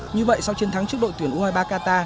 như vậy sau chiến thắng trước đội tuyển u hai mươi ba qatar